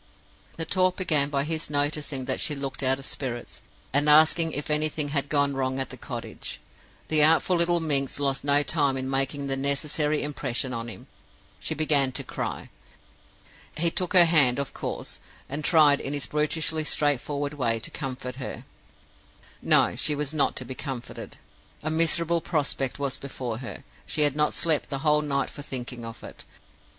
"The talk began by his noticing that she looked out of spirits, and asking if anything had gone wrong at the cottage. The artful little minx lost no time in making the necessary impression on him; she began to cry. He took her hand, of course, and tried, in his brutishly straightforward way, to comfort her. No; she was not to be comforted. A miserable prospect was before her; she had not slept the whole night for thinking of it.